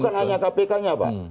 bukan hanya kpk nya pak